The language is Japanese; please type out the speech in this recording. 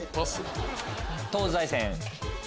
東西線。